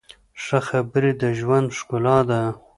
ښه خبرې د ژوند ښکلا ده.